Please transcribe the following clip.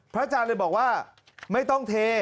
อาจารย์เลยบอกว่าไม่ต้องเท